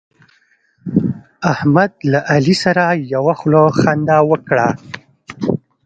احمد له علي سره یوه خوله خندا وکړه.